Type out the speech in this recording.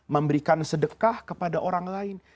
memberikan sedekah kepada orang lain